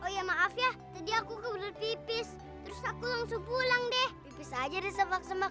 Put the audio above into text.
ya maaf ya tadi aku keberadaan pipis terus aku langsung pulang deh bisa jadi sepak sepak